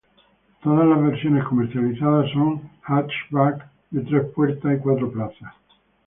Todas las versiones comercializadas son hatchback de tres puertas y cuatro plazas.